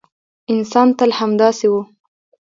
انسان تل همداسې و.